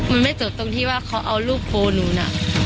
มันไม่จบตรงที่ว่าเขาเอารูปโพลหนูน่ะ